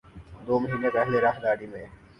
دو مہینے پہلے راہداری میں